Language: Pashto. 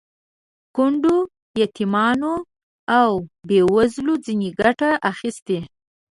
کونډو، یتیمانو او بې وزلو ځنې ګټه اخیستې.